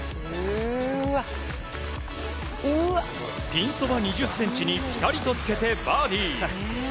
ピンそば２０ｃｍにピタリとつけてバーディー。